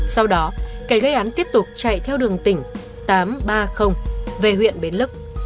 sau đó kẻ gây án tiếp tục chạy theo đường tỉnh tám trăm ba mươi về huyện bến lức